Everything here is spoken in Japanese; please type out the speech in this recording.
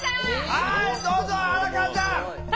はいどうぞ荒川ちゃん！